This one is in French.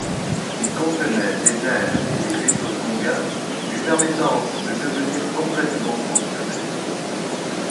Il contenait des nerfs et des vaisseaux sanguins lui permettant de devenir complètement fonctionnel.